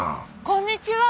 こんにちは！